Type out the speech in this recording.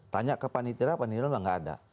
tanya ke panitira panitira bilang nggak ada